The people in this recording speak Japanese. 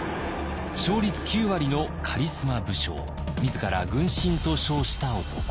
勝率９割のカリスマ武将自ら「軍神」と称した男。